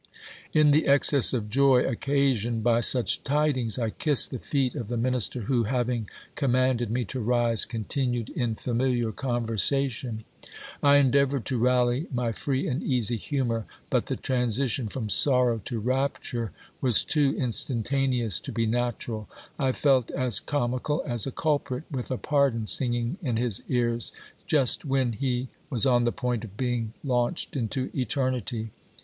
In the excess of joy occasioned by such tidings, I kissed the feet of the minis ter, who, having commanded me to rise, continued in familiar conversation. I endeavoured to rally my free and easy humour ; but the transition from sorrow to rapture was too instantaneous to be natural. I felt as comical as a culprit, with a pardon singing in his ears, just when he was on the point of being launch ed into eternity.